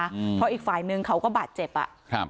เพราะอีกฝ่ายนึงเขาก็บาดเจ็บอะ